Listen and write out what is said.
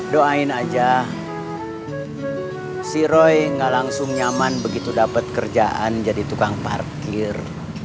doain aja si roy gak langsung nyaman begitu dapat kerjaan jadi tukang parkir